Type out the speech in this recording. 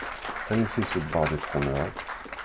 Aniti sebbaḍ i tḥemmleḍ?